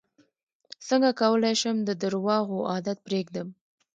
څنګه کولی شم د درواغو عادت پرېږدم